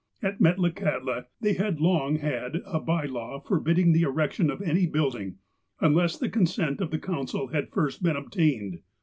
At Metlakahtla they had long had a by law forbidding the erection of any building, unless the consent of the council had first been obtained.